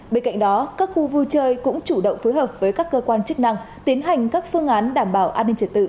bên cạnh đó các khu vui chơi cũng chủ động phối hợp với các cơ quan chức năng tiến hành các phương án đảm bảo an ninh trật tự